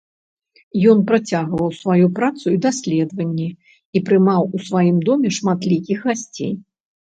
Ён працягваў сваю працу і даследаванні і прымаў у сваім доме шматлікіх гасцей.